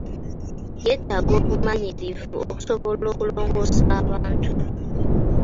Yeetaaga obumanyirivu okusobola okulongoosa abantu.